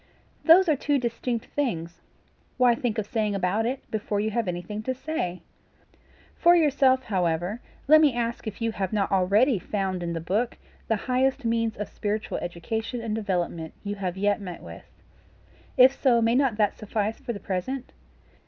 "Those are two distinct things. Why think of saying about it, before you have anything to say? For yourself, however, let me ask if you have not already found in the book the highest means of spiritual education and development you have yet met with? If so, may not that suffice for the present?